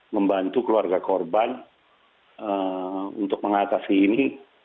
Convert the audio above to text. membantu keluarga korban untuk mengatasi ini